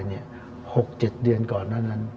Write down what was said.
หกเจ็ดเดือนก่อนหน้านั้น